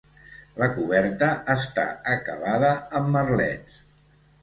La coberta està acabada amb merlets.